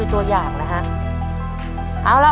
ต้นไม้ประจำจังหวัดระยองการครับ